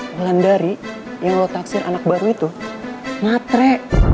mulan dari yang lo taksir anak baru itu matre